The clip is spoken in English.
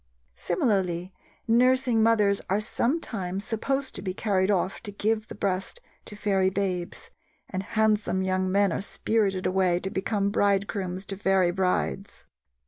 Similarly, nursing mothers are sometimes supposed to be carried off to give the breast to fairy babes, and handsome young men are spirited away to become bridegrooms to fairy brides.